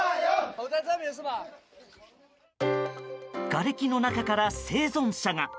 がれきの中から生存者が。